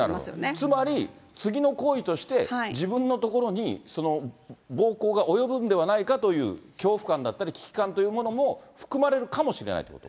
つまり、次の行為として、自分のところに暴行が及ぶんではないかという恐怖感だったり、危機感というものも含まれるかもしれないということ？